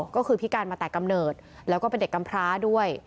ก็คือพิการมาแต่กำเนิดแล้วก็เป็นเด็กกำพร้าด้วย